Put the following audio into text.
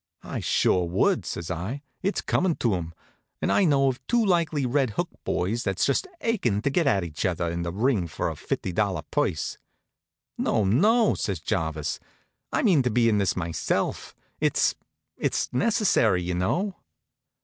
"I sure would," says I. "It's comin' to 'em. And I know of two likely Red Hook boys that's just achin' to get at each other in the ring for a fifty dollar purse." "No, no," says Jarvis. "I mean to be in this myself. It's it's necessary, you know."